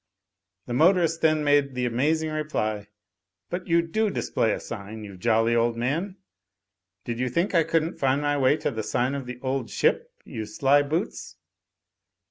The motorist then made the amazing reply, *But you do display a sign, you jolly old man. Did you think I couldn't find my way to the sign of The Old Ship, you sly boots?'